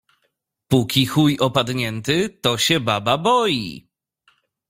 Póki chuj opadnięty, to się baba boi